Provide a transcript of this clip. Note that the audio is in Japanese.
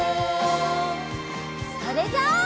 それじゃあ。